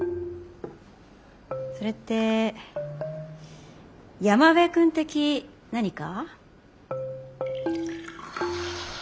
それって山辺君的何か？